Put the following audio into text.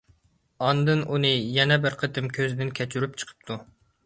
ئاندىن ئۇنى يەنە بىر قېتىم كۆزدىن كەچۈرۈپ چىقىپتۇ.